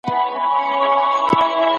الکول د ځګر ناروغي رامنځ ته کوي.